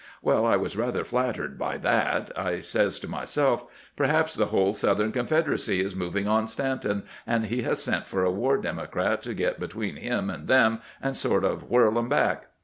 Well, I was rather flattered by that. I says to myself :* Perhaps the whole Southern Confederacy is moving on Stanton, and he has sent for a war Democrat to get between him and them and sort of whirl 'em back.'